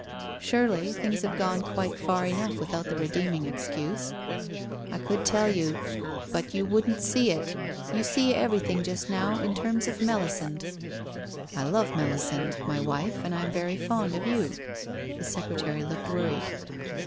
Surely things have gone quite far enough without the redeeming excuse? I could tell you. ... But you wouldn't see it !... You see everything, just now, in terms of Melisande/ ' I love Melisande, my wife, and I am very fond of you.' The secretary looked worried.